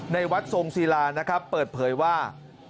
ในวัดทรงศิลานะครับเปิดเผยว่า